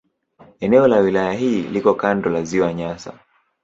Eneo la wilaya hii liko kando la Ziwa Nyasa.